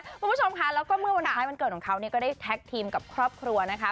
คุณผู้ชมค่ะแล้วก็เมื่อวันคล้ายวันเกิดของเขาเนี่ยก็ได้แท็กทีมกับครอบครัวนะคะ